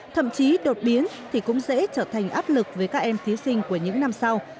thậm chí đột biến thì cũng dễ trở thành áp lực với các em thí sinh của những năm sau